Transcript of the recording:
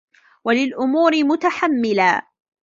وَلِلْأُمُورِ مُتَحَمِّلًا